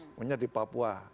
namanya di papua